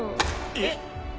えっ？